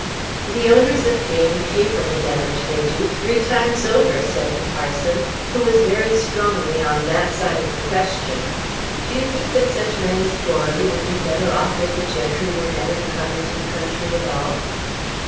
"The owners of game pay for the damage they do three times over," said the parson, who was very strongly on that side of the question. "Do you think that such men as Goarly would be better off if the gentry were never to come into the country at all?"